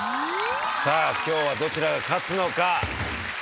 さあ今日はどちらが勝つのか？